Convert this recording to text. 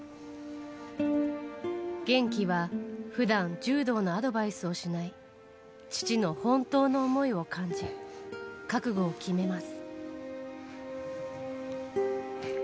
玄暉は、ふだん柔道のアドバイスをしない父の本当の思いを感じ、覚悟を決めます。